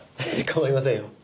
構いませんよ。